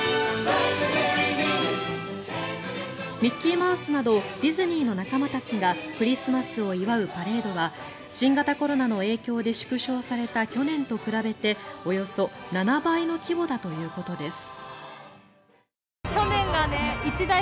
ミッキーマウスなどディズニーの仲間たちがクリスマスを祝うパレードは新型コロナの影響で縮小された去年と比べて、およそ７倍の規模だということです。